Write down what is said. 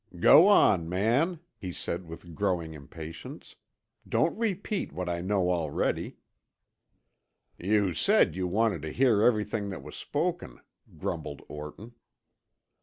"Go on, man," he said with growing impatience. "Don't repeat what I know already." "You said that you wanted to hear everything that was spoken," grumbled Orton.